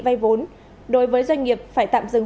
vay vốn đối với doanh nghiệp phải tạm dừng